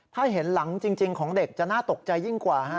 ถ้าเห็นหลังจริงของเด็กจะน่าตกใจยิ่งกว่าฮะ